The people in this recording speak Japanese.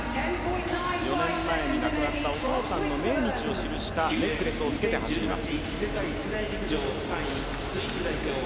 ４年前に亡くなったお父さんの命日を記したネックレスをつけて走ります。